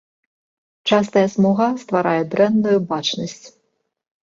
Частая смуга стварае дрэнную бачнасць.